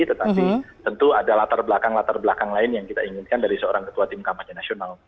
tetapi tentu ada latar belakang latar belakang lain yang kita inginkan dari seorang ketua tim kampanye nasional